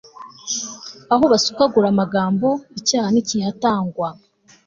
aho basukagura amagambo, icyaha ntikihatangwa